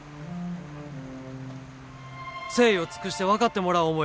誠意を尽くして分かってもらおう思